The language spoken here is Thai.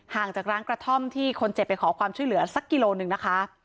จากร้านกระท่อมที่คนเจ็บไปขอความช่วยเหลือสักกิโลหนึ่งนะคะ